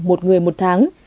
một người một tháng